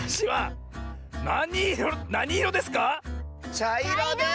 ちゃいろです。